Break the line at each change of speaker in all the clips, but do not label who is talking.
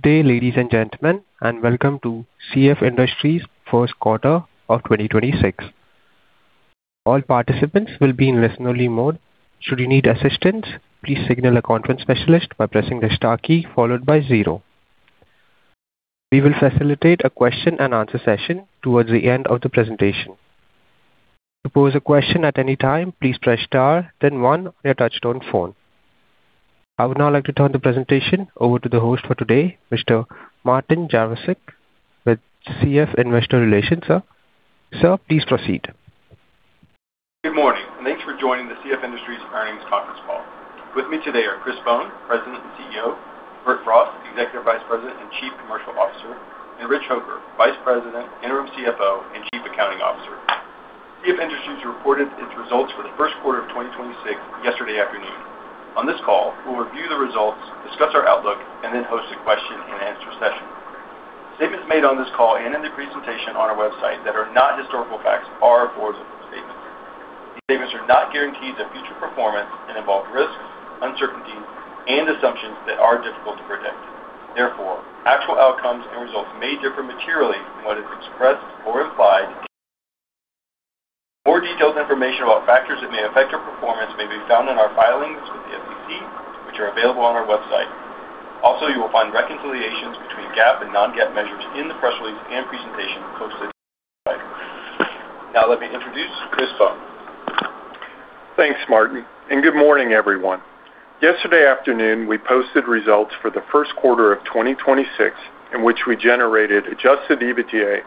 Good day ladies and gentlemen and welcome to CF Industries first quarter of 2026. All participants will be in listen-only mode. We will facilitate a question-and-answer session towards the end of the presentation. I would now like to turn the presentation over to the host for today, Mr. Martin Jarosick with CF Investor Relations, sir. Sir, please proceed.
Good morning, and thanks for joining the CF Industries Earnings Conference Call. With me today are Chris Bohn, President and CEO, Bert Frost, Executive Vice President and Chief Commercial Officer, and Rich Hoker, Vice President, Interim CFO, and Chief Accounting Officer. CF Industries reported its results for the first quarter of 2026 yesterday afternoon. On this call, we'll review the results, discuss our outlook, and then host a question-and-answer session. Statements made on this call and in the presentation on our website that are not historical facts are forward-looking statements. These statements are not guarantees of future performance and involve risks, uncertainties, and assumptions that are difficult to predict. Therefore, actual outcomes and results may differ materially from what is expressed or implied. More detailed information about factors that may affect our performance may be found in our filings with the SEC, which are available on our website. You will find reconciliations between GAAP and non-GAAP measures in the press release and presentation posted. Let me introduce Chris Bohn.
Thanks Martin, good morning, everyone. Yesterday afternoon, we posted results for the first quarter of 2026 in which we generated adjusted EBITDA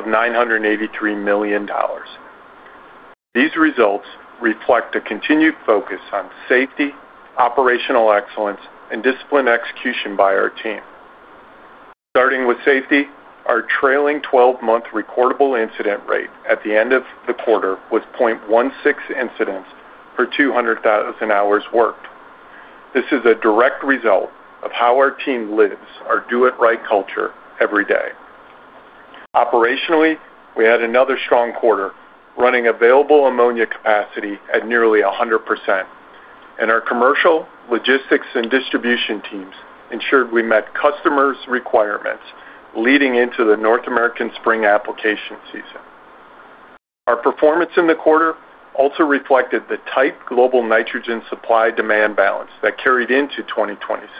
of $983 million. These results reflect a continued focus on safety, operational excellence, and disciplined execution by our team. Starting with safety, our trailing 12-month recordable incident rate at the end of the quarter was 0.16% incidents for 200,000 hours worked. This is a direct result of how our team lives our do-it-right culture every day. Operationally, we had another strong quarter running available ammonia capacity at nearly 100%, and our commercial, logistics, and distribution teams ensured we met customers' requirements leading into the North American spring application season. Our performance in the quarter also reflected the tight global nitrogen supply-demand balance that carried into 2026.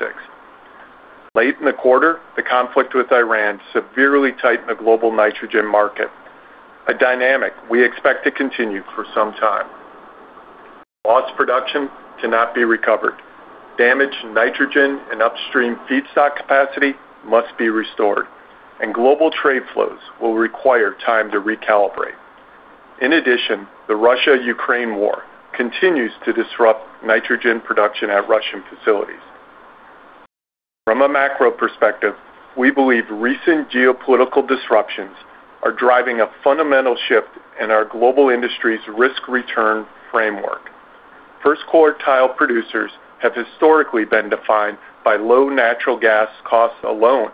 Late in the quarter, the conflict with Iran severely tightened the global nitrogen market, a dynamic we expect to continue for some time. Lost production cannot be recovered. Damaged nitrogen and upstream feedstock capacity must be restored, and global trade flows will require time to recalibrate. In addition, the Russia-Ukraine war continues to disrupt nitrogen production at Russian facilities. From a macro perspective, we believe recent geopolitical disruptions are driving a fundamental shift in our global industry's risk-return framework. First quartile producers have historically been defined by low natural gas costs alone.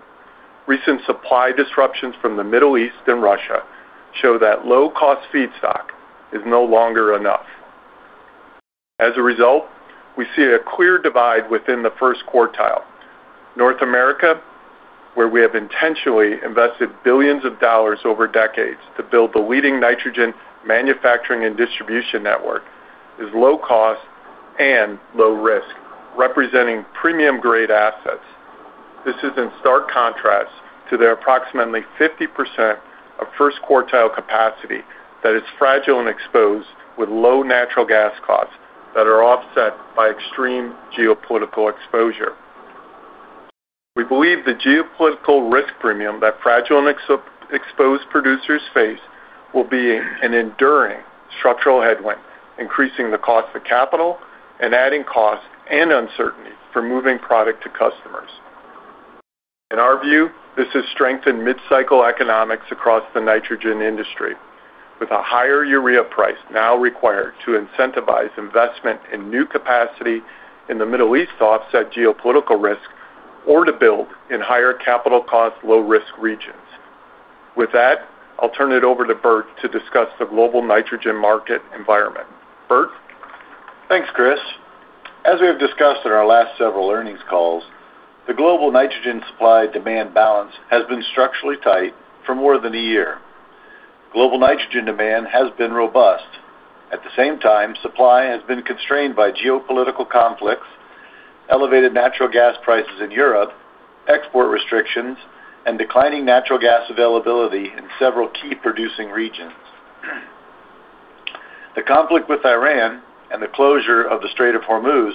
Recent supply disruptions from the Middle East and Russia show that low-cost feedstock is no longer enough. As a result, we see a clear divide within the first quartile. North America, where we have intentionally invested billions of dollars over decades to build the leading nitrogen manufacturing and distribution network, is low cost and low risk, representing premium-grade assets. This is in stark contrast to the approximately 50% of first quartile capacity that is fragile and exposed with low natural gas costs that are offset by extreme geopolitical exposure. We believe the geopolitical risk premium that fragile and ex-exposed producers face will be an enduring structural headwind, increasing the cost of capital and adding cost and uncertainty for moving product to customers. In our view, this has strengthened mid-cycle economics across the nitrogen industry, with a higher urea price now required to incentivize investment in new capacity in the Middle East to offset geopolitical risk or to build in higher capital cost, low-risk regions. With that, I'll turn it over to Bert to discuss the global nitrogen market environment. Bert?
Thanks, Chris. As we have discussed in our last several earnings calls, the global nitrogen supply-demand balance has been structurally tight for more than a year. Global nitrogen demand has been robust. At the same time, supply has been constrained by geopolitical conflicts, elevated natural gas prices in Europe, export restrictions, and declining natural gas availability in several key producing regions. The conflict with Iran and the closure of the Strait of Hormuz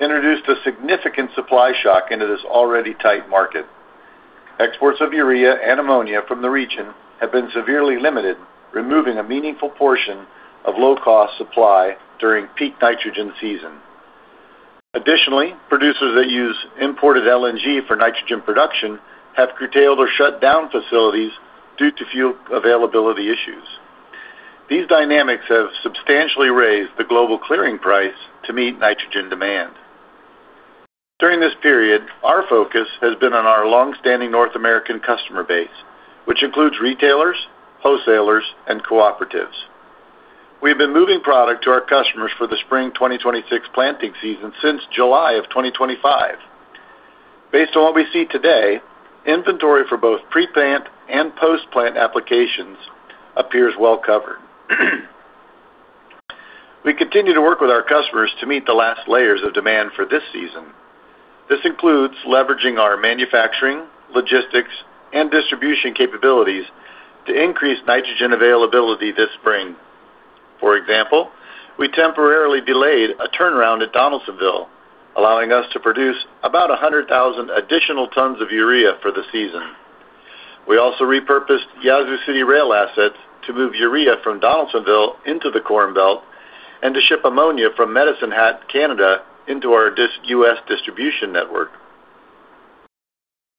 introduced a significant supply shock into this already tight market. Exports of urea and ammonia from the region have been severely limited, removing a meaningful portion of low-cost supply during peak nitrogen season. Additionally, producers that use imported LNG for nitrogen production have curtailed or shut down facilities due to fuel availability issues. These dynamics have substantially raised the global clearing price to meet nitrogen demand. During this period, our focus has been on our long-standing North American customer base, which includes retailers, wholesalers, and cooperatives. We've been moving product to our customers for the spring 2026 planting season since July of 2025. Based on what we see today, inventory for both pre-plant and post-plant applications appears well covered. We continue to work with our customers to meet the last layers of demand for this season. This includes leveraging our manufacturing, logistics, and distribution capabilities to increase nitrogen availability this spring. For example, we temporarily delayed a turnaround at Donaldsonville, allowing us to produce about 100,000 additional tons of urea for the season. We also repurposed Yazoo City rail assets to move urea from Donaldsonville into the Corn Belt and to ship ammonia from Medicine Hat, Canada, into our U.S. distribution network.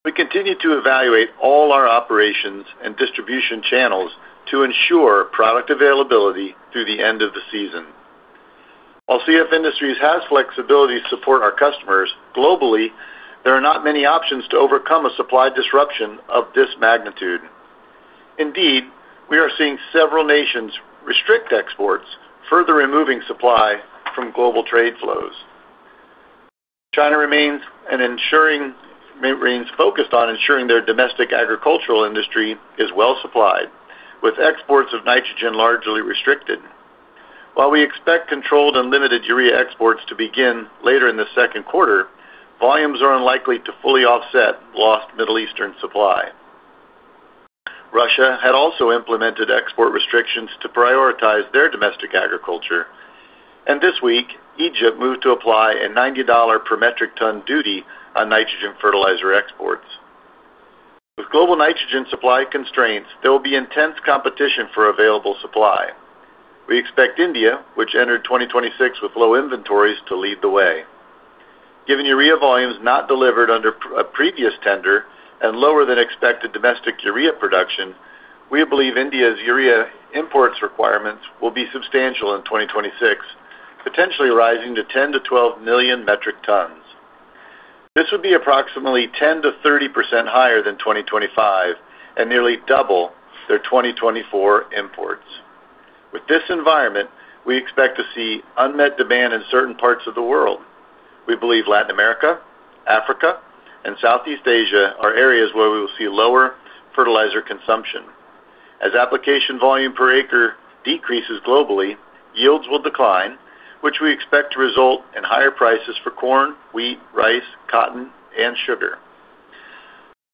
We continue to evaluate all our operations and distribution channels to ensure product availability through the end of the season. While CF Industries has flexibility to support our customers globally, there are not many options to overcome a supply disruption of this magnitude. Indeed, we are seeing several nations restrict exports, further removing supply from global trade flows. China remains focused on ensuring their domestic agricultural industry is well supplied, with exports of nitrogen largely restricted. While we expect controlled and limited urea exports to begin later in the second quarter, volumes are unlikely to fully offset lost Middle Eastern supply. Russia had also implemented export restrictions to prioritize their domestic agriculture. This week, Egypt moved to apply a $90 per metric ton duty on nitrogen fertilizer exports. With global nitrogen supply constraints, there will be intense competition for available supply. We expect India, which entered 2026 with low inventories, to lead the way. Given urea volumes not delivered under a previous tender and lower than expected domestic urea production, we believe India's urea imports requirements will be substantial in 2026, potentially rising to 10 million-12 million metric tons. This would be approximately 10%-30% higher than 2025 and nearly double their 2024 imports. With this environment, we expect to see unmet demand in certain parts of the world. We believe Latin America, Africa, and Southeast Asia are areas where we will see lower fertilizer consumption. As application volume per acre decreases globally, yields will decline, which we expect to result in higher prices for corn, wheat, rice, cotton, and sugar.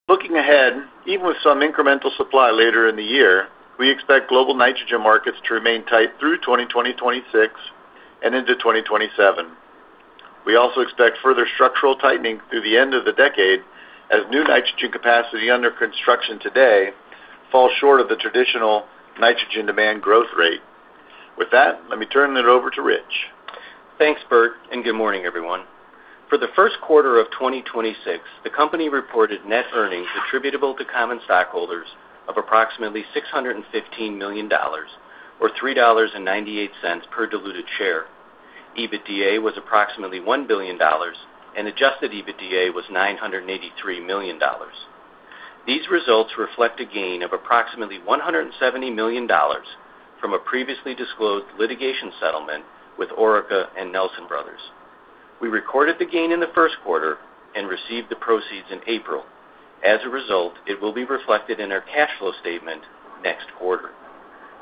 Looking ahead, even with some incremental supply later in the year, we expect global nitrogen markets to remain tight through 2026 and into 2027. We also expect further structural tightening through the end of the decade as new nitrogen capacity under construction today falls short of the traditional nitrogen demand growth rate. With that, let me turn it over to Rich.
Thanks, Bert. Good morning everyone. For the first quarter of 2026, the company reported net earnings attributable to common stockholders of approximately $615 million or $3.98 per diluted share. EBITDA was approximately $1 billion. Adjusted EBITDA was $983 million. These results reflect a gain of approximately $170 million from a previously disclosed litigation settlement with Orica and Nelson Brothers. We recorded the gain in the first quarter and received the proceeds in April. As a result, it will be reflected in our cash flow statement next quarter.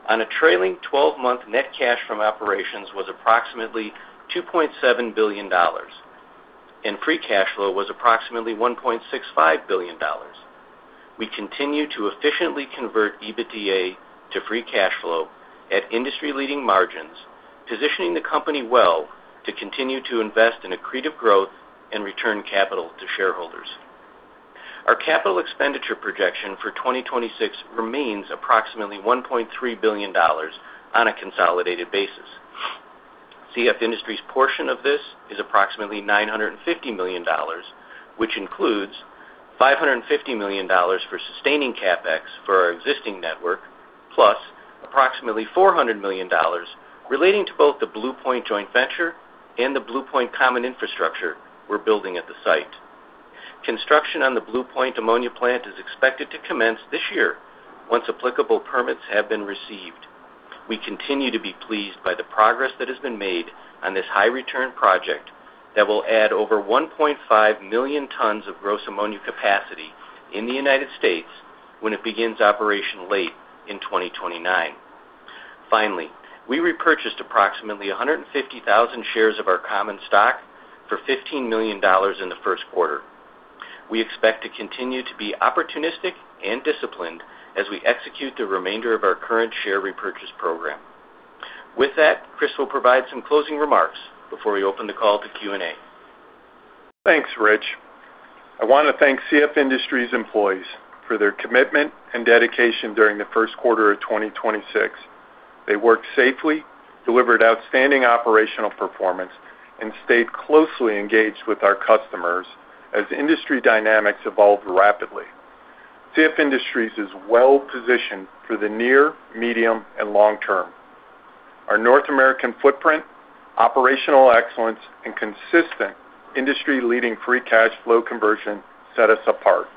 On a trailing 12-month net cash from operations was approximately $2.7 billion. Free cash flow was approximately $1.65 billion. We continue to efficiently convert EBITDA to free cash flow at industry-leading margins, positioning the company well to continue to invest in accretive growth and return capital to shareholders. Our capital expenditure projection for 2026 remains approximately $1.3 billion on a consolidated basis. CF Industries' portion of this is approximately $950 million, which includes $550 million for sustaining CapEx for our existing network, plus approximately $400 million relating to both the Blue Point joint venture and the Blue Point common infrastructure we're building at the site. Construction on the Blue Point ammonia plant is expected to commence this year once applicable permits have been received. We continue to be pleased by the progress that has been made on this high-return project that will add over 1.5 million tons of gross ammonia capacity in the United States when it begins operation late in 2029. Finally, we repurchased approximately 150,000 shares of our common stock for $15 million in the first quarter. We expect to continue to be opportunistic and disciplined as we execute the remainder of our current share repurchase program. With that, Chris will provide some closing remarks before we open the call to Q&A.
Thanks, Rich. I wanna thank CF Industries employees for their commitment and dedication during the first quarter of 2026. They worked safely, delivered outstanding operational performance, and stayed closely engaged with our customers as industry dynamics evolved rapidly. CF Industries is well positioned for the near, medium, and long term. Our North American footprint, operational excellence, and consistent industry-leading free cash flow conversion set us apart.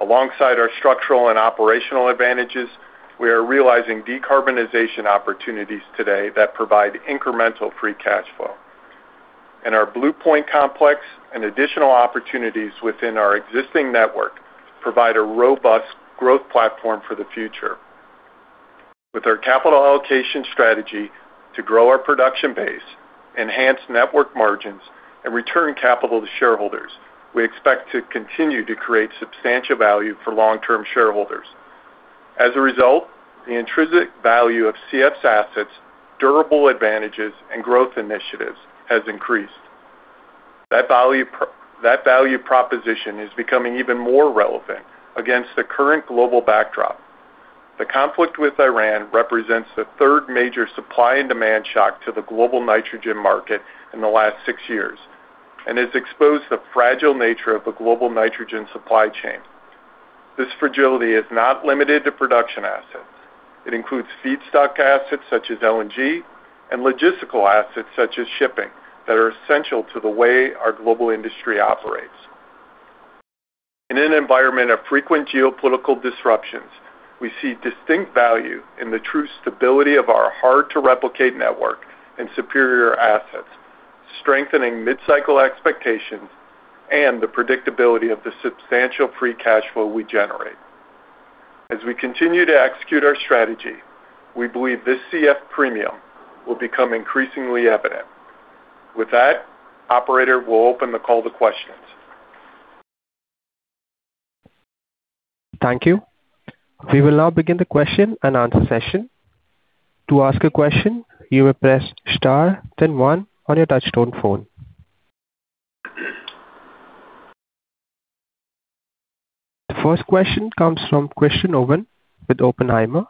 Alongside our structural and operational advantages, we are realizing decarbonization opportunities today that provide incremental free cash flow. Our Blue Point Complex and additional opportunities within our existing network provide a robust growth platform for the future. With our capital allocation strategy to grow our production base, enhance network margins, and return capital to shareholders, we expect to continue to create substantial value for long-term shareholders. As a result, the intrinsic value of CF's assets, durable advantages, and growth initiatives has increased. That value proposition is becoming even more relevant against the current global backdrop. The conflict with Iran represents the third major supply and demand shock to the global nitrogen market in the last six years and has exposed the fragile nature of the global nitrogen supply chain. This fragility is not limited to production assets. It includes feedstock assets such as LNG and logistical assets such as shipping that are essential to the way our global industry operates. In an environment of frequent geopolitical disruptions, we see distinct value in the true stability of our hard-to-replicate network and superior assets, strengthening mid-cycle expectations and the predictability of the substantial free cash flow we generate. As we continue to execute our strategy, we believe this CF premium will become increasingly evident. With that, operator, we'll open the call to questions.
Thank you. We will now begin the question and answer session. The first question comes from Kristen Owen with Oppenheimer.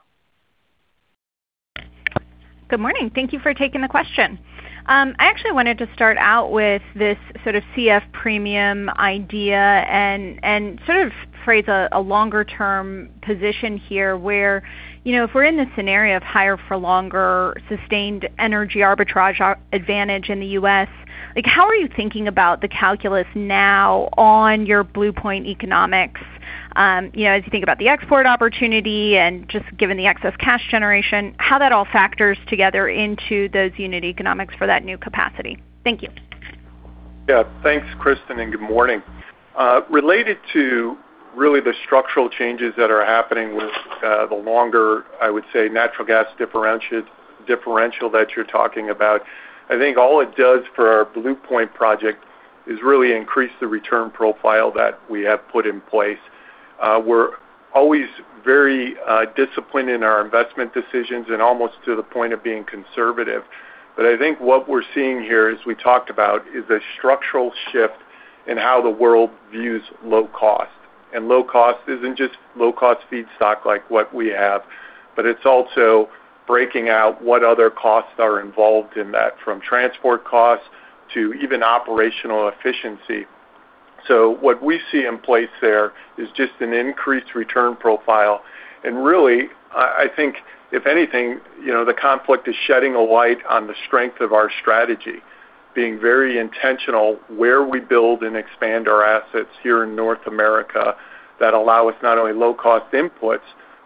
Good morning. Thank you for taking the question. I actually wanted to start out with this sort of CF premium idea and sort of phrase a longer term position here where, you know, if we're in this scenario of higher for longer sustained energy arbitrage advantage in the U.S., like, how are you thinking about the calculus now on your Blue Point economics, you know, as you think about the export opportunity and just given the excess cash generation, how that all factors together into those unit economics for that new capacity? Thank you.
Yeah. Thanks Kristen and good morning. Related to really the structural changes that are happening with the longer, I would say, natural gas differential that you're talking about, I think all it does for our Blue Point project is really increase the return profile that we have put in place. We're always very disciplined in our investment decisions and almost to the point of being conservative. I think what we're seeing here, as we talked about, is a structural shift in how the world views low cost. Low cost isn't just low cost feedstock like what we have, but it's also breaking out what other costs are involved in that, from transport costs to even operational efficiency. What we see in place there is just an increased return profile. Really, I think if anything, you know, the conflict is shedding a light on the strength of our strategy, being very intentional where we build and expand our assets here in North America that allow us not only low cost inputs,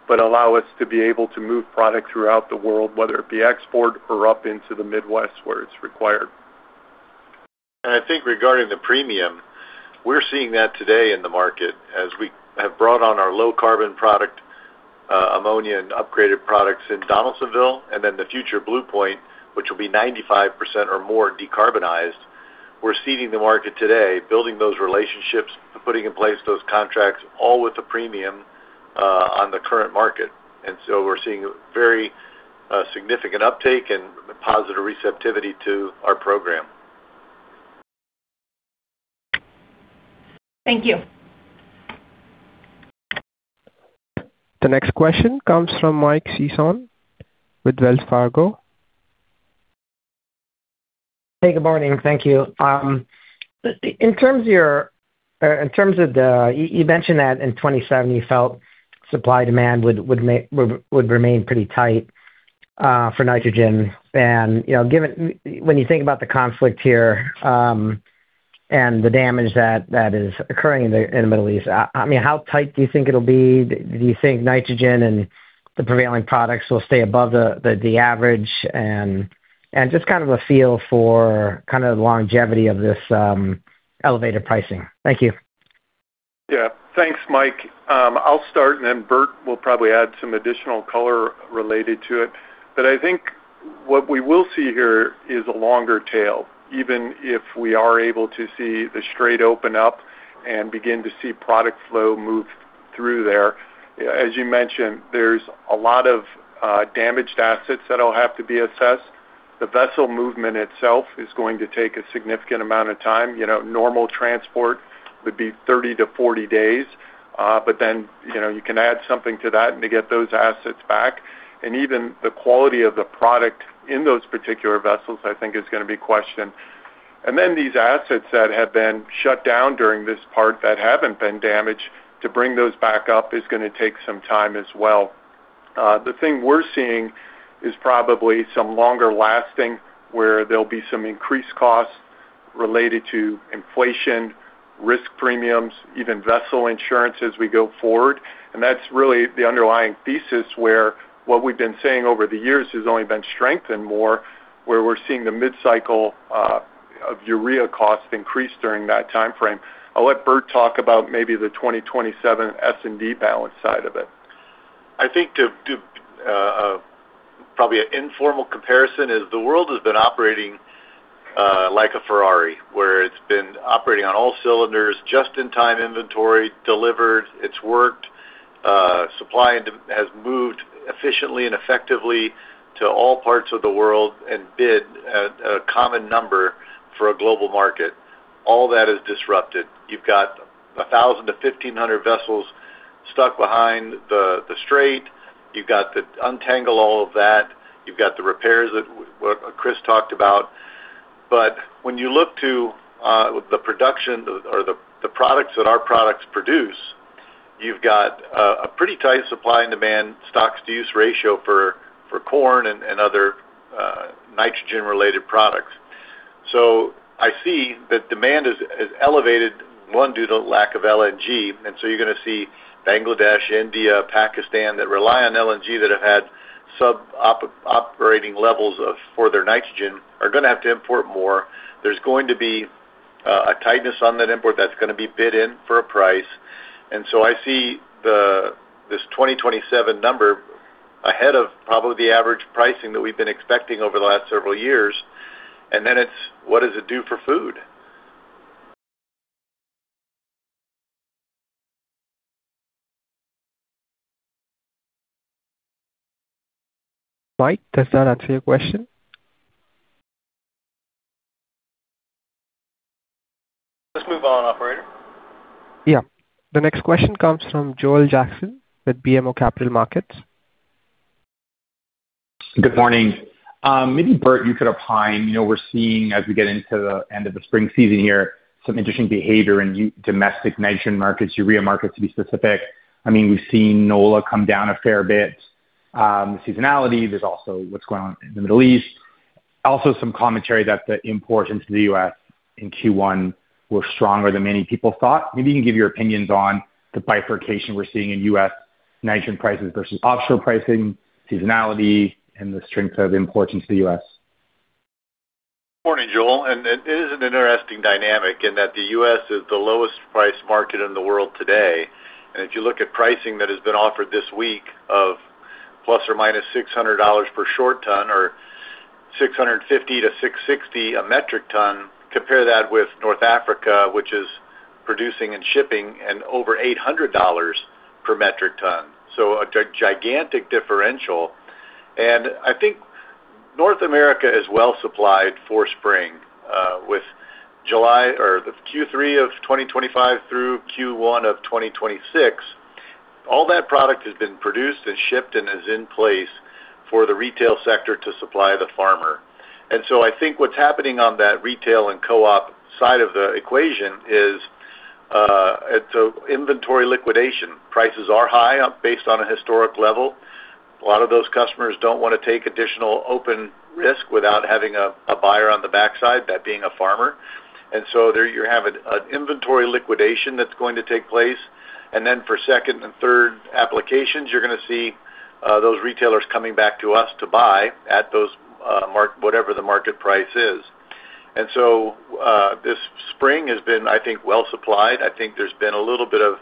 but allow us to be able to move product throughout the world, whether it be export or up into the Midwest where it's required.
I think regarding the premium, we're seeing that today in the market as we have brought on our low-carbon product, ammonia and upgraded products in Donaldsonville and then the future Blue Point, which will be 95% or more decarbonized. We're seeding the market today, building those relationships, putting in place those contracts, all with a premium on the current market. We're seeing a very significant uptake and positive receptivity to our program.
Thank you.
The next question comes from Mike Sison with Wells Fargo.
Hey, good morning. Thank you. You mentioned that in 2027 you felt supply-demand would remain pretty tight for nitrogen. You know, when you think about the conflict here, and the damage that is occurring in the Middle East, I mean, how tight do you think it'll be? Do you think nitrogen and the prevailing products will stay above the average? Just kind of a feel for kinda the longevity of this elevated pricing. Thank you.
Yeah. Thanks, Mike. I'll start and then Bert will probably add some additional color related to it. I think what we will see here is a longer tail, even if we are able to see the Strait open up and begin to see product flow move through there. As you mentioned, there's a lot of damaged assets that'll have to be assessed. The vessel movement itself is going to take a significant amount of time. You know, normal transport would be 30 to 40 days, but then, you know, you can add something to that to get those assets back. Even the quality of the product in those particular vessels, I think, is gonna be questioned. These assets that have been shut down during this part that haven't been damaged, to bring those back up is going to take some time as well. The thing we're seeing is probably some longer lasting where there will be some increased costs related to inflation, risk premiums, even vessel insurance as we go forward. That is really the underlying thesis where what we have been saying over the years has only been strengthened more, where we are seeing the mid-cycle of urea costs increase during that time frame. I will let Bert talk about maybe the 2027 S&D balance side of it.
I think to probably an informal comparison is the world has been operating like a Ferrari, where it's been operating on all cylinders just in time inventory delivered. It's worked. Supply and demand has moved efficiently and effectively to all parts of the world and bid at a common number for a global market. All that is disrupted. You've got 1,000-1,500 vessels stuck behind the strait. You've got to untangle all of that. You've got the repairs that what Chris talked about. When you look to the production or the products that our products produce, you've got a pretty tight supply and demand stocks to use ratio for corn and other nitrogen related products. I see that demand is elevated, one, due to lack of LNG. You're going to see Bangladesh, India, Pakistan that rely on LNG that have had sub-operating levels of for their nitrogen are going to have to import more. There's going to be a tightness on that import that's going to be bid in for a price. I see the 2027 number ahead of probably the average pricing that we've been expecting over the last several years. It's what does it do for food?
Mike, does that answer your question?
Let's move on, operator.
Yeah. The next question comes from Joel Jackson with BMO Capital Markets.
Good morning. Maybe, Bert, you could opine. You know, we're seeing as we get into the end of the spring season here some interesting behavior in domestic nitrogen markets, urea markets to be specific. I mean, we've seen NOLA come down a fair bit, seasonality. There's also what's going on in the Middle East. Also some commentary that the imports into the U.S. in Q1 were stronger than many people thought. Maybe you can give your opinions on the bifurcation we're seeing in U.S. nitrogen prices versus offshore pricing, seasonality, and the strength of imports into the U.S.
Morning, Joel. It is an interesting dynamic in that the U.S. is the lowest priced market in the world today. If you look at pricing that has been offered this week of ±$600 per short ton or $650-$660 a metric ton, compare that with North Africa, which is producing and shipping over $800 per metric ton. A gigantic differential. I think North America is well supplied for spring with July or the Q3 of 2025 through Q1 of 2026. All that product has been produced and shipped and is in place for the retail sector to supply the farmer. I think what's happening on that retail and co-op side of the equation is it's inventory liquidation. Prices are high up based on a historic level. A lot of those customers don't wanna take additional open risk without having a buyer on the backside, that being a farmer. There you have an inventory liquidation that's going to take place. For second and third applications, you're gonna see those retailers coming back to us to buy at those whatever the market price is. This spring has been, I think, well supplied. I think there's been a little bit of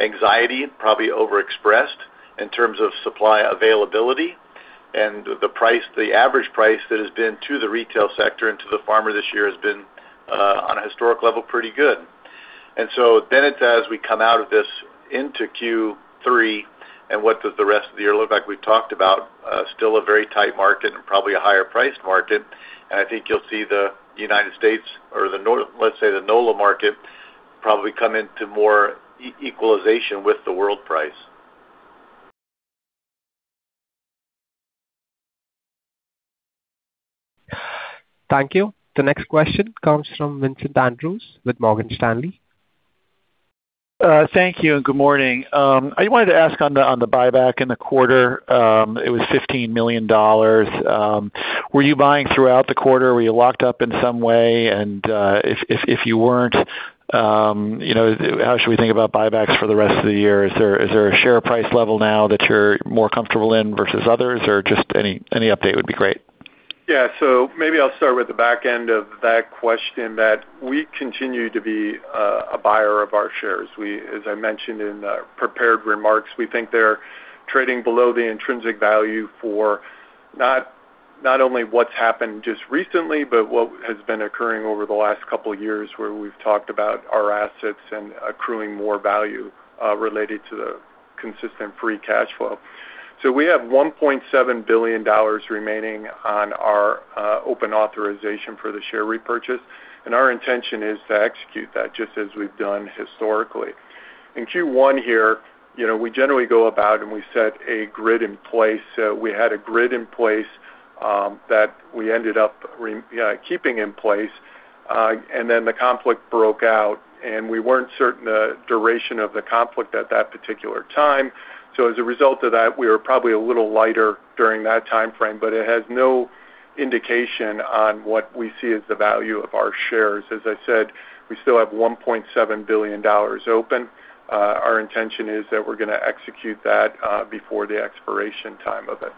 anxiety probably overexpressed in terms of supply availability. The price, the average price that has been to the retail sector and to the farmer this year has been on a historic level, pretty good. It's as we come out of this into Q3 and what does the rest of the year look like, we've talked about still a very tight market and probably a higher priced market. I think you'll see the United States or let's say the NOLA market probably come into more e-equalization with the world price.
Thank you. The next question comes from Vincent Andrews with Morgan Stanley.
Thank you and good morning. I wanted to ask on the buyback in the quarter, it was $15 million. Were you buying throughout the quarter? Were you locked up in some way? If you weren't, how should we think about buybacks for the rest of the year? Is there a share price level now that you're more comfortable in versus others? Just any update would be great.
Yeah. Maybe I'll start with the back end of that question that we continue to be a buyer of our shares. As I mentioned in the prepared remarks, we think they're trading below the intrinsic value for not only what's happened just recently, but what has been occurring over the last couple of years, where we've talked about our assets and accruing more value related to the consistent free cash flow. We have $1.7 billion remaining on our open authorization for the share repurchase, and our intention is to execute that just as we've done historically. In Q1 here, you know, we generally go about and we set a grid in place. That we ended up keeping in place, and then the conflict broke out, and we weren't certain the duration of the conflict at that particular time. As a result of that, we were probably a little lighter during that timeframe, but it has no indication on what we see as the value of our shares. As I said, we still have $1.7 billion open. Our intention is that we're gonna execute that before the expiration time of it.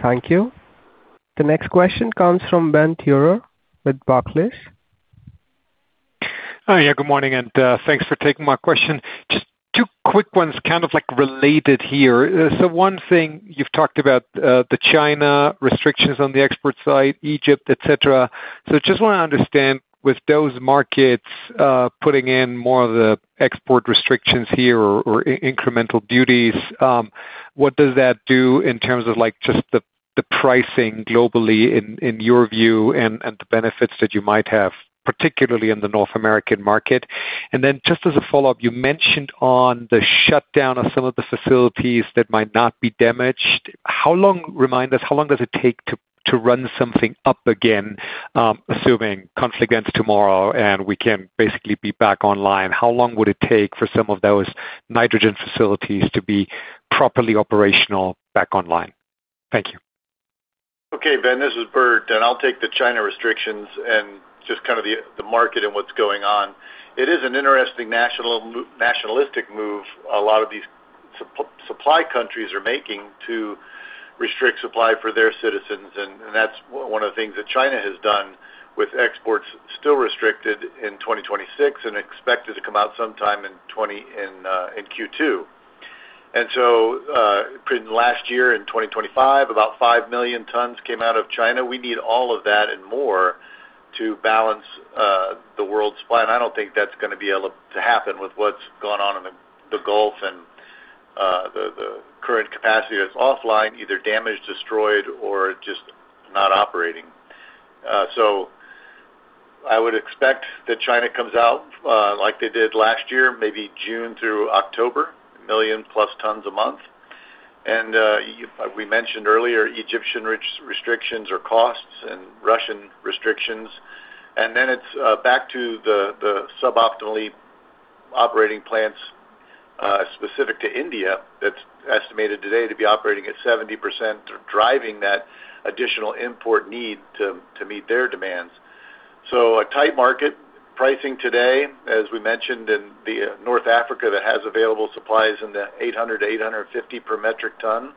Thank you. The next question comes from Ben Theurer with Barclays.
Hi. Good morning, thanks for taking my question. Just two quick ones kind of, like, related here. One thing you've talked about, the China restrictions on the export side, Egypt, et cetera. I just wanna understand, with those markets putting in more of the export restrictions here or incremental duties, what does that do in terms of, like, just the pricing globally in your view and the benefits that you might have, particularly in the North American market? Just as a follow-up, you mentioned on the shutdown of some of the facilities that might not be damaged. Remind us, how long does it take to run something up again, assuming conflict ends tomorrow, and we can basically be back online? How long would it take for some of those nitrogen facilities to be properly operational back online? Thank you.
Okay, Ben, this is Bert and I'll take the China restrictions and just kind of the market and what's going on. It is an interesting nationalistic move a lot of these supply countries are making to restrict supply for their citizens, and that's one of the things that China has done with exports still restricted in 2026 and expected to come out sometime in Q2. In last year, in 2025, about 5 million tons came out of China. We need all of that and more to balance the world supply, and I don't think that's gonna be able to happen with what's gone on in the Gulf and the current capacity that's offline, either damaged, destroyed or just not operating. I would expect that China comes out, like they did last year, maybe June through October, million-plus tons a month. We mentioned earlier Egyptian restrictions or costs and Russian restrictions. It's back to the suboptimally operating plants specific to India that's estimated today to be operating at 70%, driving that additional import need to meet their demands. A tight market pricing today, as we mentioned in the North Africa that has available supplies in the 800, 850 per metric ton.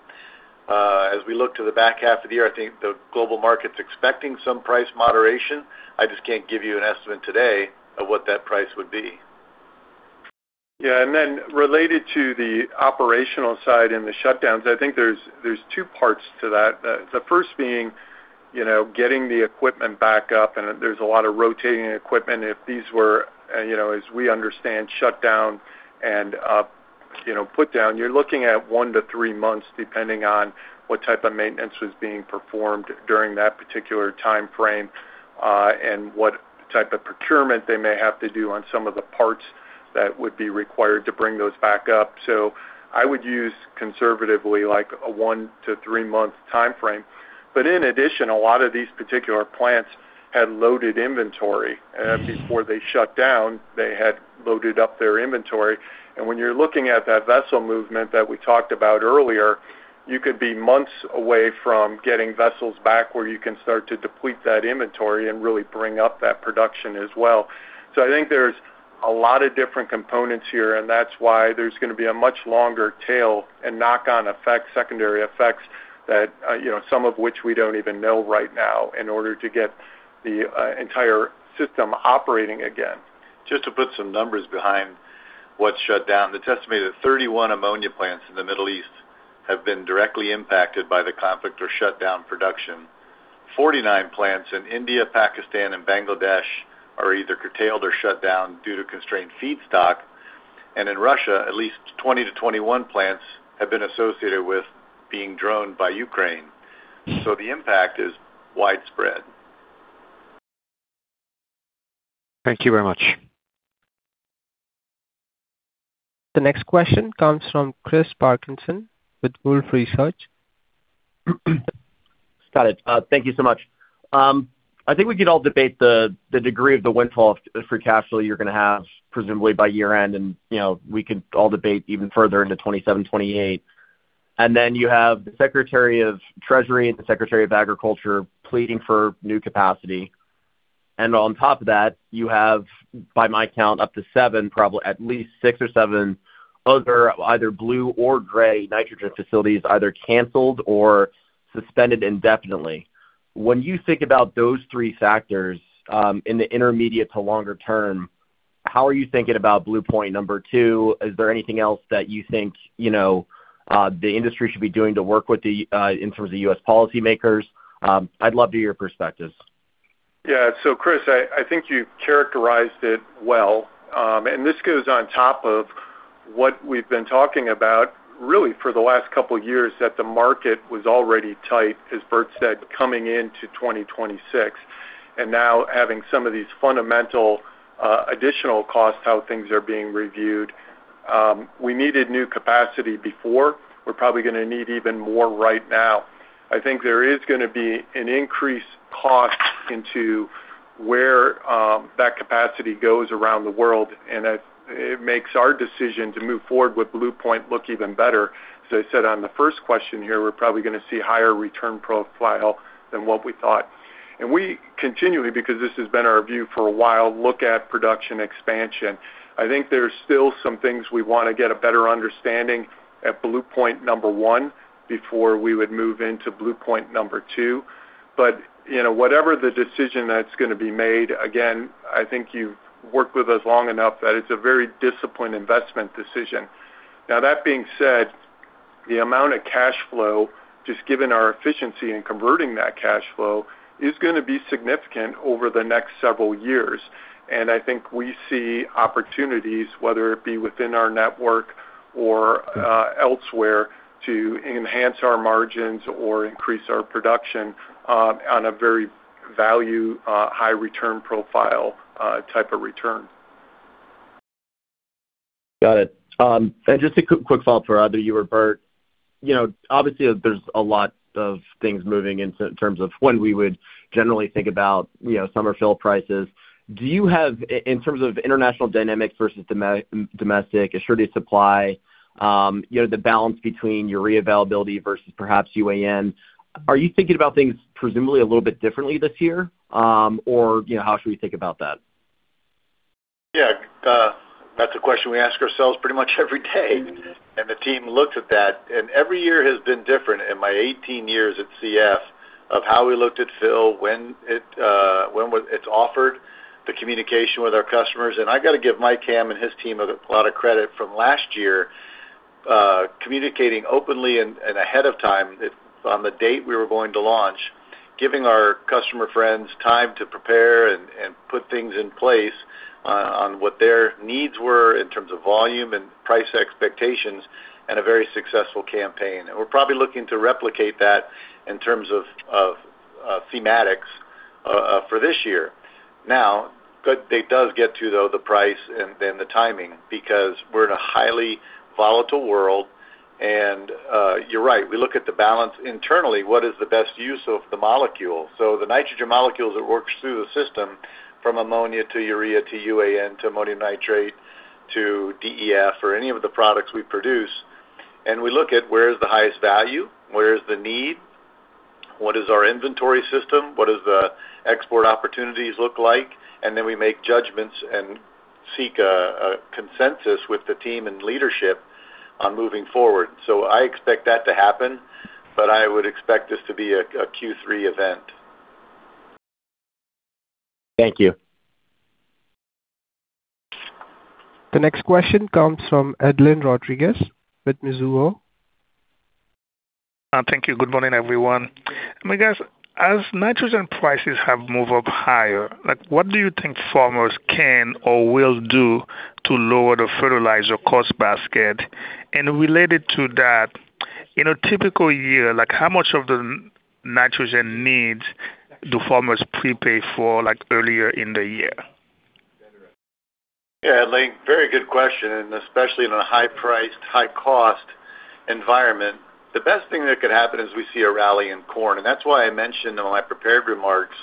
As we look to the back half of the year, I think the global market's expecting some price moderation. I just can't give you an estimate today of what that price would be.
Yeah. Related to the operational side and the shutdowns, I think there's two parts to that. The first being, you know, getting the equipment back up, and there's a lot of rotating equipment. If these were, you know, as we understand, shut down and, you know, put down, you're looking at one to three months, depending on what type of maintenance was being performed during that particular timeframe, and what type of procurement they may have to do on some of the parts that would be required to bring those back up. I would use conservatively like a one to three-month timeframe. In addition, a lot of these particular plants had loaded inventory. Before they shut down, they had loaded up their inventory. When you're looking at that vessel movement that we talked about earlier, you could be months away from getting vessels back where you can start to deplete that inventory and really bring up that production as well. I think there's a lot of different components here, and that's why there's gonna be a much longer tail and knock-on effect, secondary effects that, you know, some of which we don't even know right now in order to get the entire system operating again.
Just to put some numbers behind what's shut down. It's estimated 31 ammonia plants in the Middle East have been directly impacted by the conflict or shut down production. 49 plants in India, Pakistan and Bangladesh are either curtailed or shut down due to constrained feedstock. In Russia, at least 20-21 plants have been associated with being droned by Ukraine. The impact is widespread.
Thank you very much.
The next question comes from Chris Parkinson with Wolfe Research.
Got it. Thank you so much. I think we could all debate the degree of the windfall of free cash flow you're gonna have presumably by year-end. You know, we could all debate even further into 2027, 2028. You have the secretary of treasury and the secretary of agriculture pleading for new capacity. You have, by my count, up to seven, probably at least six or seven other either blue or gray nitrogen facilities either canceled or suspended indefinitely. You think about those three factors, in the intermediate to longer term, how are you thinking about Blue Point number two? Is there anything else that you think, you know, the industry should be doing to work with the in terms of the U.S. policymakers? I'd love to hear your perspectives.
Yeah. Chris, I think you characterized it well. This goes on top of what we've been talking about really for the last couple years, that the market was already tight, as Bert said, coming into 2026. Now having some of these fundamental additional costs, how things are being reviewed, we needed new capacity before. We're probably gonna need even more right now. I think there is gonna be an increased cost into where that capacity goes around the world, and it makes our decision to move forward with Blue Point look even better. I said on the first question here, we're probably gonna see higher return profile than what we thought. We continually, because this has been our view for a while, look at production expansion. I think there's still some things we wanna get a better understanding at Blue Point number one before we would move into Blue Point number two. You know, whatever the decision that's gonna be made, again, I think you've worked with us long enough that it's a very disciplined investment decision. Now that being said, the amount of cash flow, just given our efficiency in converting that cash flow, is gonna be significant over the next several years. I think we see opportunities, whether it be within our network or elsewhere, to enhance our margins or increase our production, on a very value, high return profile, type of return.
Got it. Just a quick follow-up for either you or Bert. You know, obviously, there's a lot of things moving in terms of when we would generally think about, you know, summer fill prices. Do you have, in terms of international dynamics versus domestic assured supply, you know, the balance between urea availability versus perhaps UAN, are you thinking about things presumably a little bit differently this year? Or, you know, how should we think about that?
Yeah. That's a question we ask ourselves pretty much every day. The team looks at that, and every year has been different in my 18 years at CF of how we looked at fill, when it's offered, the communication with our customers. I gotta give Mike Hamm and his team a lot of credit from last year, communicating openly and ahead of time that on the date we were going to launch, giving our customer friends time to prepare and put things in place on what their needs were in terms of volume and price expectations and a very successful campaign. We're probably looking to replicate that in terms of thematics for this year. It does get to though the price and then the timing because we're in a highly volatile world. You're right. We look at the balance internally, what is the best use of the molecule? The nitrogen molecules that works through the system from ammonia to urea to UAN to ammonium nitrate to DEF or any of the products we produce, and we look at where is the highest value, where is the need, what is our inventory system, what is the export opportunities look like, and then we make judgments and seek a consensus with the team and leadership on moving forward. I expect that to happen, but I would expect this to be a Q3 event.
Thank you.
The next question comes from Edlain Rodriguez with Mizuho.
Thank you. Good morning, everyone. I mean, guys, as nitrogen prices have moved up higher, like, what do you think farmers can or will do to lower the fertilizer cost basket? Related to that, in a typical year, like how much of the nitrogen needs do farmers prepay for, like, earlier in the year?
Yeah, Edlain, very good question, and especially in a high priced, high cost environment. The best thing that could happen is we see a rally in corn, and that's why I mentioned in my prepared remarks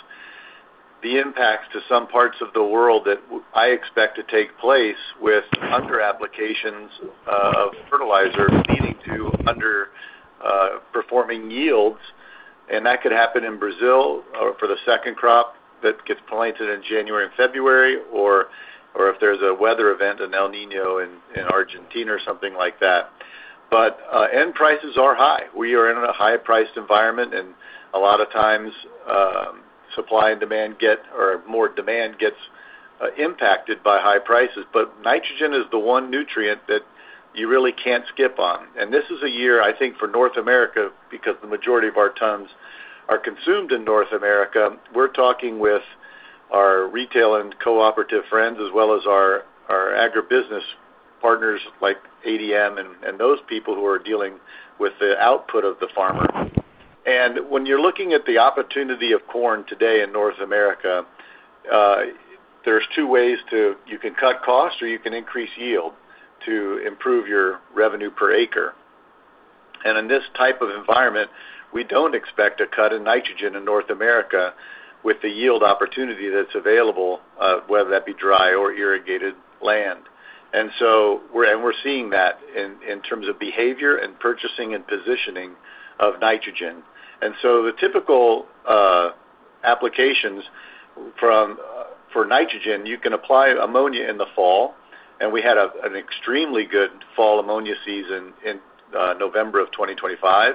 the impacts to some parts of the world that I expect to take place with underapplications of fertilizer leading to under performing yields. That could happen in Brazil for the second crop that gets planted in January and February, or if there's a weather event, an El Niño in Argentina or something like that. End prices are high. We are in a high priced environment, and a lot of times, more demand gets impacted by high prices. Nitrogen is the one nutrient that you really can't skip on. This is a year, I think, for North America, because the majority of our tons are consumed in North America. We're talking with our retail and cooperative friends as well as our agribusiness partners like ADM and those people who are dealing with the output of the farmer. When you're looking at the opportunity of corn today in North America, there's two ways. You can cut costs or you can increase yield to improve your revenue per acre. In this type of environment, we don't expect a cut in nitrogen in North America with the yield opportunity that's available, whether that be dry or irrigated land. We're seeing that in terms of behavior and purchasing and positioning of nitrogen. The typical applications for nitrogen, you can apply ammonia in the fall, and we had an extremely good fall ammonia season in November of 2025,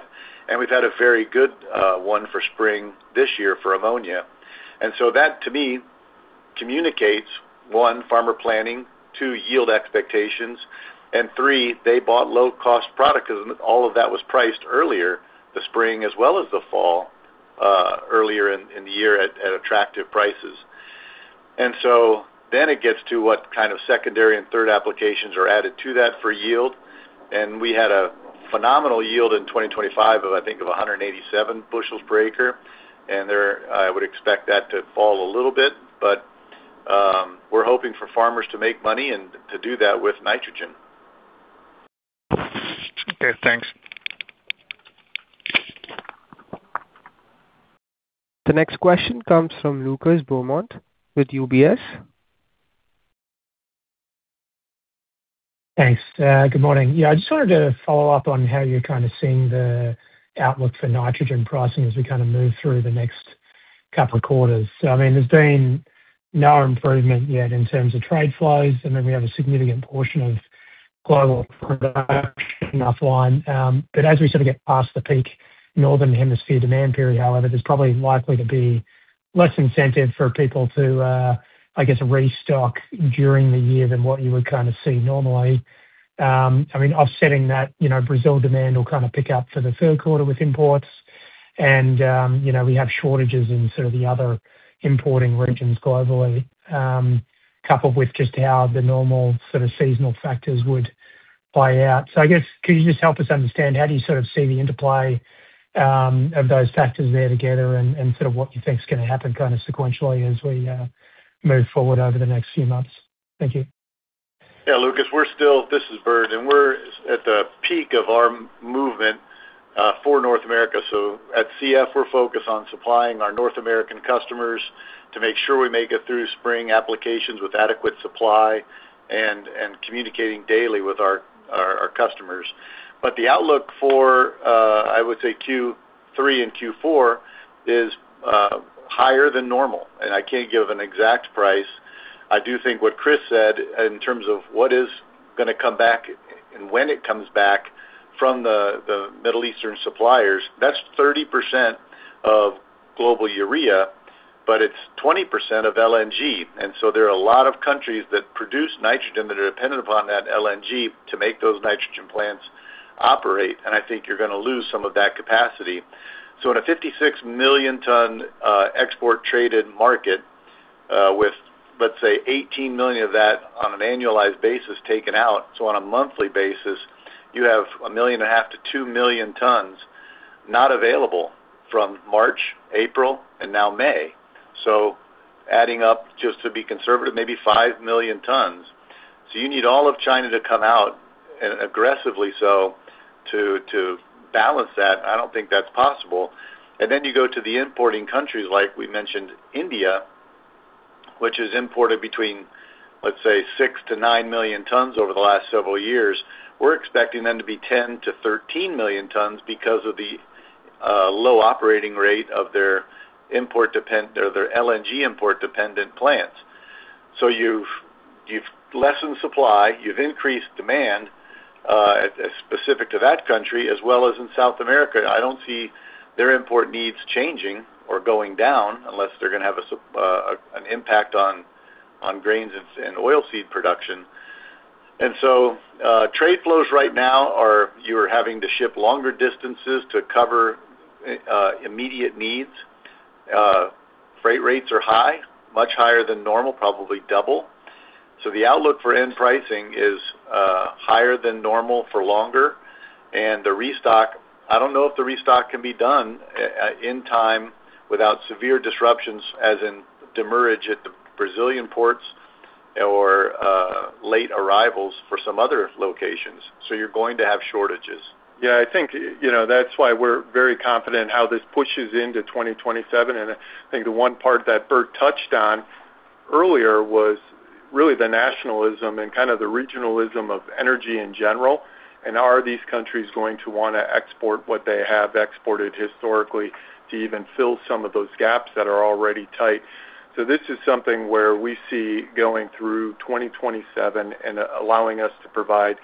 and we've had a very good one for spring this year for ammonia. That, to me, communicates, one, farmer planning, two, yield expectations, and three, they bought low-cost product because all of that was priced earlier this spring as well as the fall earlier in the year at attractive prices. It gets to what kind of secondary and third applications are added to that for yield. We had a phenomenal yield in 2025 of, I think, of 187 bushels per acre. There, I would expect that to fall a little bit, but we're hoping for farmers to make money and to do that with nitrogen.
Okay, thanks.
The next question comes from Lucas Beaumont with UBS.
Thanks. Good morning. I just wanted to follow up on how you're kind of seeing the outlook for nitrogen pricing as we kind of move through the next couple of quarters. I mean, there's been no improvement yet in terms of trade flows, and then we have a significant portion of global production offline. As we sort of get past the peak Northern Hemisphere demand period, however, there's probably likely to be less incentive for people to, I guess, restock during the year than what you would kind of see normally. I mean, offsetting that, you know, Brazil demand will kind of pick up for the third quarter with imports. You know, we have shortages in sort of the other importing regions globally, coupled with just how the normal sort of seasonal factors would play out. I guess, could you just help us understand how do you sort of see the interplay of those factors there together and sort of what you think is going to happen kind of sequentially as we move forward over the next few months? Thank you.
Lucas, this is Bert, and we're at the peak of our movement for North America. At CF, we're focused on supplying our North American customers to make sure we make it through spring applications with adequate supply and communicating daily with our customers. The outlook for, I would say Q3 and Q4 is higher than normal. I can't give an exact price. I do think what Chris said in terms of what is gonna come back and when it comes back from the Middle Eastern suppliers, that's 30% of global urea, but it's 20% of LNG. There are a lot of countries that produce nitrogen that are dependent upon that LNG to make those nitrogen plants operate, and I think you're gonna lose some of that capacity. In a 56 million ton export traded market, with, let's say, 18 million of that on an annualized basis taken out. On a monthly basis, you have 1.5 million-2 million tons not available from March, April and now May. Adding up just to be conservative, maybe 5 million tons. You need all of China to come out and aggressively so to balance that. I don't think that's possible. You go to the importing countries like we mentioned India, which has imported between, let's say, 6 million-9 million tons over the last several years. We're expecting them to be 10 million-13 million tons because of the low operating rate of their import dependent or their LNG import dependent plants. You've lessened supply, you've increased demand specific to that country as well as in South America. I don't see their import needs changing or going down unless they're going to have an impact on grains and oilseed production. Trade flows right now are you're having to ship longer distances to cover immediate needs. Freight rates are high, much higher than normal, probably double. The outlook for end pricing is higher than normal for longer. The restock, I don't know if the restock can be done in time without severe disruptions as in demurrage at the Brazilian ports or late arrivals for some other locations. You're going to have shortages.
Yeah, I think, you know, that's why we're very confident how this pushes into 2027. I think the one part that Bert touched on earlier was really the nationalism and kind of the regionalism of energy in general. Are these countries going to want to export what they have exported historically to even fill some of those gaps that are already tight? This is something where we see going through 2027 and allowing us to provide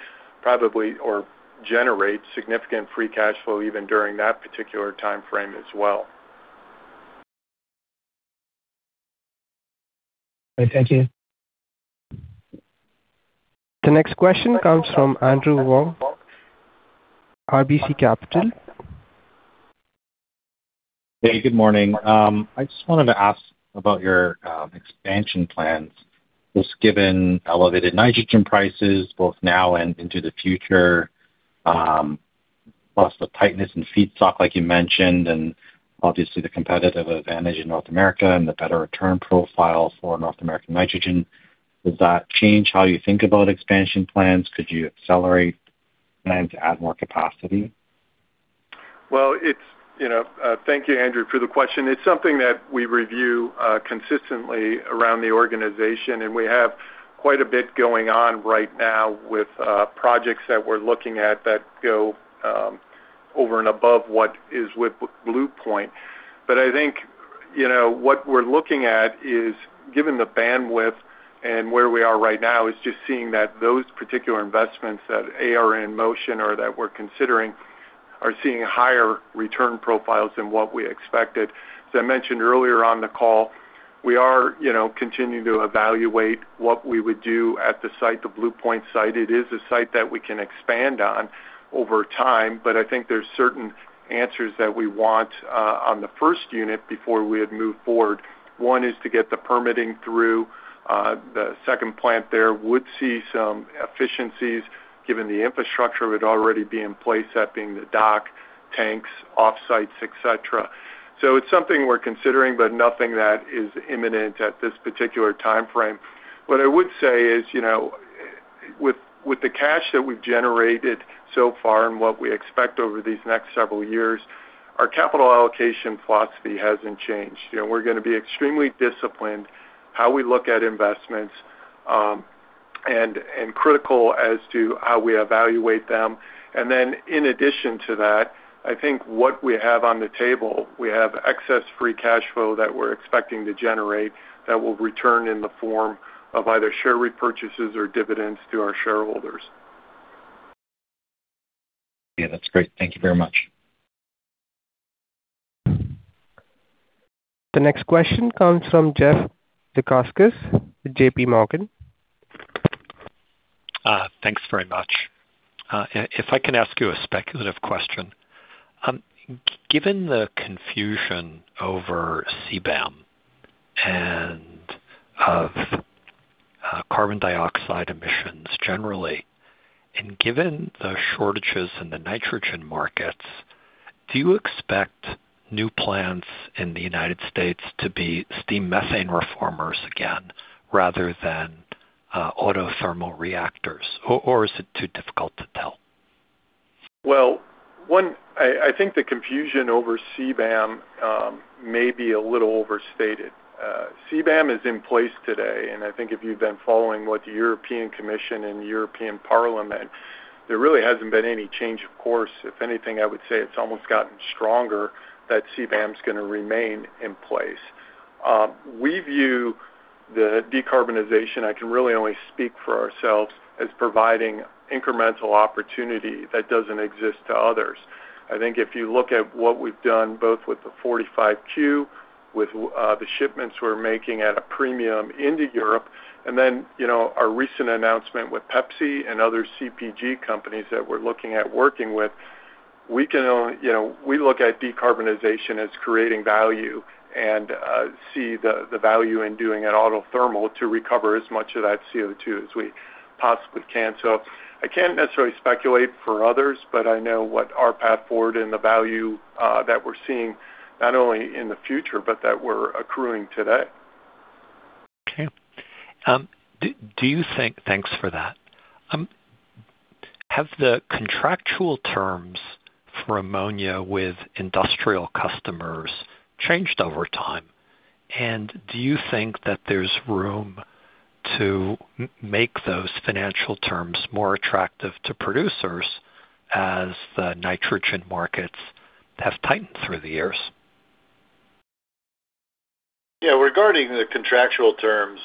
probably or generate significant free cash flow even during that particular timeframe as well.
All right. Thank you.
The next question comes from Andrew Wong, RBC Capital.
Hey, good morning. I just wanted to ask about your expansion plans. Just given elevated nitrogen prices both now and into the future, plus the tightness in feedstock like you mentioned, and obviously the competitive advantage in North America and the better return profile for North American nitrogen. Does that change how you think about expansion plans? Could you accelerate plans to add more capacity?
Well, it's, you know, thank you, Andrew, for the question. It's something that we review consistently around the organization and we have quite a bit going on right now with projects that we're looking at that go over and above what is with Blue Point. I think, you know, what we're looking at is given the bandwidth and where we are right now is just seeing that those particular investments that, A, are in motion or that we're considering are seeing higher return profiles than what we expected. As I mentioned earlier on the call, we are, you know, continuing to evaluate what we would do at the site, the Blue Point site. It is a site that we can expand on over time, but I think there's certain answers that we want on the first unit before we would move forward. One is to get the permitting through, the second plant there would see some efficiencies given the infrastructure would already be in place, that being the dock, tanks, offsites, et cetera. It's something we're considering, but nothing that is imminent at this particular timeframe. What I would say is, you know, with the cash that we've generated so far and what we expect over these next several years, our capital allocation philosophy hasn't changed. You know, we're gonna be extremely disciplined how we look at investments, and critical as to how we evaluate them. In addition to that, I think what we have on the table, we have excess free cash flow that we're expecting to generate that will return in the form of either share repurchases or dividends to our shareholders.
Yeah, that's great. Thank you very much.
The next question comes from Jeff Zekauskas with JPMorgan.
Thanks very much. If I can ask you a speculative question. Given the confusion over CBAM and of carbon dioxide emissions generally, and given the shortages in the nitrogen markets, do you expect new plants in the United States to be steam methane reformers again rather than autothermal reactors? Or is it too difficult to tell?
One, I think the confusion over CBAM may be a little overstated. CBAM is in place today, and I think if you've been following what the European Commission and European Parliament, there really hasn't been any change of course. If anything, I would say it's almost gotten stronger that CBAM is gonna remain in place. We view the decarbonization, I can really only speak for ourselves, as providing incremental opportunity that doesn't exist to others. I think if you look at what we've done both with the Section 45Q, with the shipments we're making at a premium into Europe, you know, our recent announcement with Pepsi and other CPG companies that we're looking at working with, we can, you know, we look at decarbonization as creating value and see the value in doing it autothermal to recover as much of that CO2 as we possibly can. I can't necessarily speculate for others, but I know what our path forward and the value that we're seeing, not only in the future, but that we're accruing today.
Okay. Thanks for that. Have the contractual terms for ammonia with industrial customers changed over time? Do you think that there's room to make those financial terms more attractive to producers as the nitrogen markets have tightened through the years?
Yeah. Regarding the contractual terms,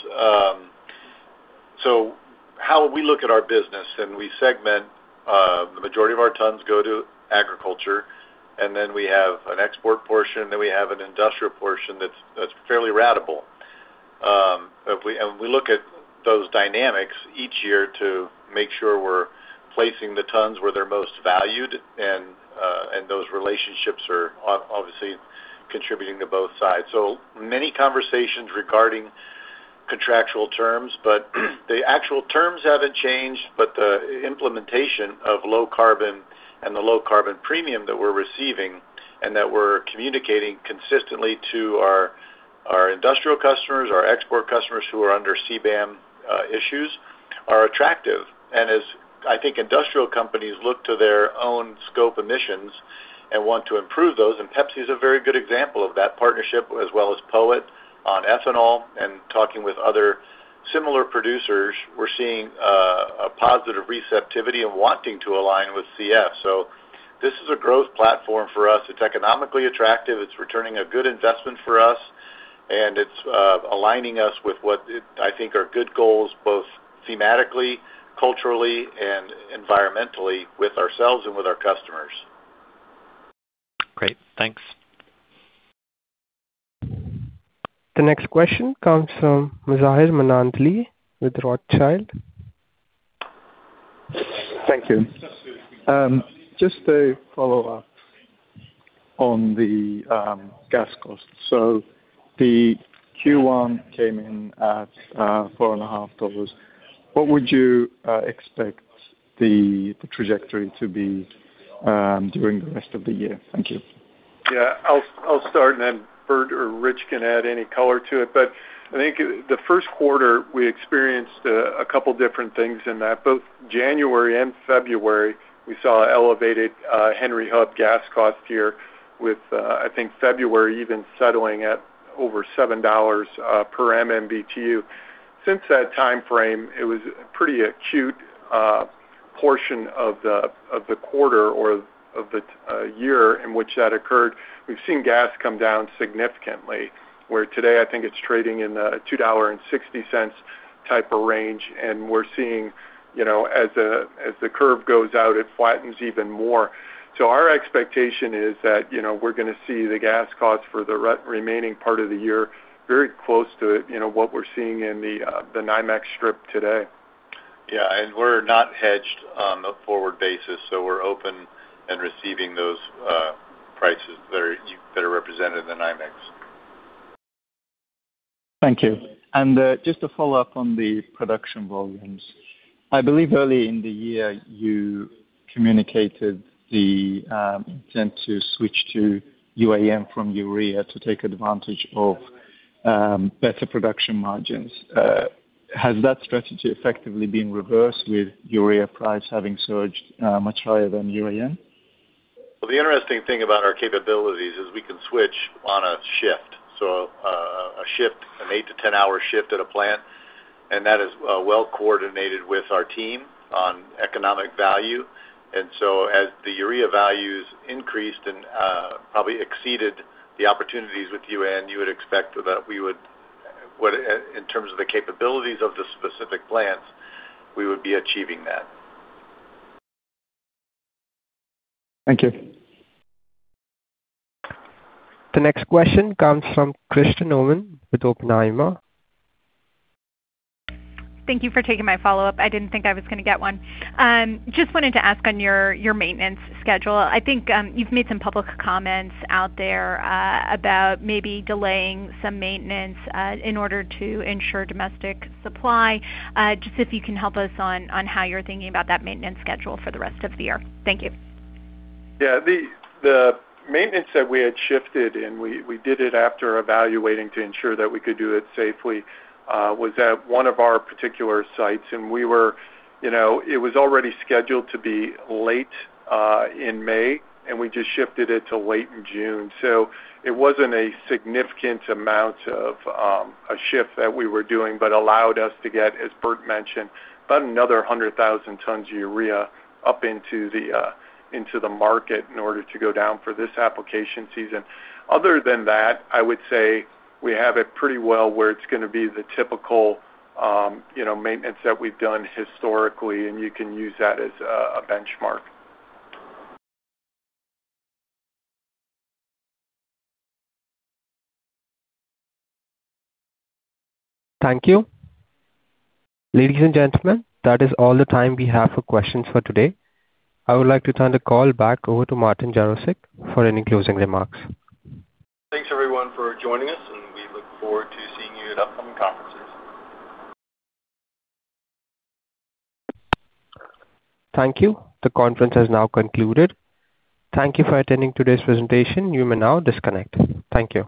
how we look at our business and we segment, the majority of our tons go to agriculture, then we have an export portion, then we have an industrial portion that's fairly ratable. If we look at those dynamics each year to make sure we're placing the tons where they're most valued and those relationships are obviously contributing to both sides. Many conversations regarding contractual terms, but the actual terms haven't changed, but the implementation of low carbon and the low carbon premium that we're receiving and that we're communicating consistently to our industrial customers, our export customers who are under CBAM issues are attractive. As I think industrial companies look to their own scope emissions and want to improve those, Pepsi is a very good example of that partnership, as well as POET on ethanol and talking with other similar producers, we're seeing a positive receptivity of wanting to align with CF. This is a growth platform for us. It's economically attractive. It's returning a good investment for us. It's aligning us with what I think are good goals, both thematically, culturally, and environmentally with ourselves and with our customers.
Great. Thanks.
The next question comes from Mazahir Mammadli with Rothschild.
Thank you. Just to follow up on the gas costs. The Q1 came in at four and a half dollars. What would you expect the trajectory to be during the rest of the year? Thank you.
Yeah. I'll start and then Bert or Rich can add any color to it. I think the first quarter we experienced a couple different things in that both January and February, we saw elevated Henry Hub gas cost here with, I think February even settling at over $7 per MMBTU. Since that timeframe, it was a pretty acute portion of the quarter or of the year in which that occurred. We've seen gas come down significantly. Where today, I think it's trading in the $2.60 type of range, and we're seeing. You know, as the curve goes out, it flattens even more. Our expectation is that, you know, we're gonna see the gas costs for the remaining part of the year very close to, you know, what we're seeing in the NYMEX strip today.
Yeah. We're not hedged on a forward basis, so we're open and receiving those prices that are represented in the NYMEX.
Thank you. Just to follow up on the production volumes. I believe early in the year you communicated the intent to switch to UAN from urea to take advantage of better production margins. Has that strategy effectively been reversed with urea price having surged much higher than UAN?
The interesting thing about our capabilities is we can switch on a shift. A shift, an eight to 10-hour shift at a plant, and that is well coordinated with our team on economic value. As the urea values increased and probably exceeded the opportunities with UAN, you would expect that we would in terms of the capabilities of the specific plants, we would be achieving that.
Thank you.
The next question comes from Kristen Owen with Oppenheimer.
Thank you for taking my follow-up. I didn't think I was gonna get one. Just wanted to ask on your maintenance schedule. I think you've made some public comments out there about maybe delaying some maintenance in order to ensure domestic supply. Just if you can help us on how you're thinking about that maintenance schedule for the rest of the year. Thank you.
The maintenance that we had shifted, and we did it after evaluating to ensure that we could do it safely, was at one of our particular sites. We were, you know, it was already scheduled to be late in May, and we just shifted it to late in June. It wasn't a significant amount of a shift that we were doing, but allowed us to get, as Bert mentioned, about another 100,000 tons of urea up into the market in order to go down for this application season. Other than that, I would say we have it pretty well where it's gonna be the typical, you know, maintenance that we've done historically, and you can use that as a benchmark.
Thank you. Ladies and gentlemen, that is all the time we have for questions for today. I would like to turn the call back over to Martin Jarosick for any closing remarks.
Thanks, everyone, for joining us, and we look forward to seeing you at upcoming conferences.
Thank you. The conference has now concluded. Thank you for attending today's presentation. You may now disconnect. Thank you.